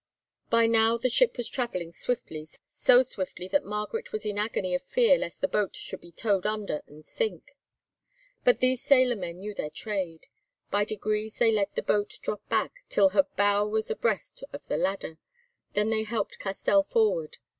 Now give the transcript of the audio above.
By now the ship was travelling swiftly, so swiftly that Margaret was in an agony of fear lest the boat should be towed under and sink. But these sailor men knew their trade. By degrees they let the boat drop back till her bow was abreast of the ladder. Then they helped Castell forward.